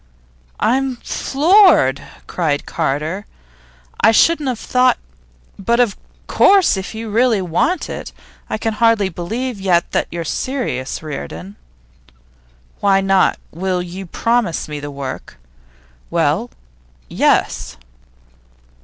'I'm floored!' cried Carter. 'I shouldn't have thought but of course, if you really want it. I can hardly believe yet that you're serious, Reardon.' 'Why not? Will you promise me the work?' 'Well, yes.